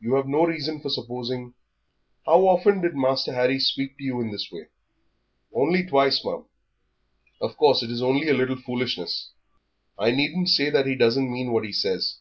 "You have no reason for supposing How often did Master Harry speak to you in this way?" "Only twice, ma'am." "Of course it is only a little foolishness. I needn't say that he doesn't mean what he says."